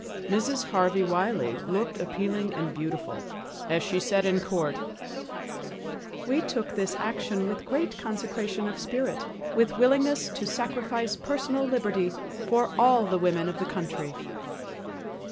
Mrs. Harvey Wiley looked appealing and beautiful as she said in court, "We took this action with great consecration of spirit, with willingness to sacrifice personal liberty for al] the women of the country."